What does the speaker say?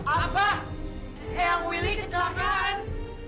apa yang willy kecelakaan